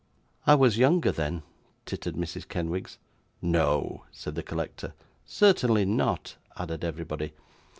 'I was younger then,' tittered Mrs. Kenwigs. 'No,' said the collector. 'Certainly not,' added everybody.